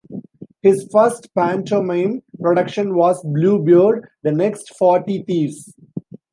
His first pantomime production was "Bluebeard", the next "Forty Thieves".